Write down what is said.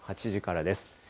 ８時からです。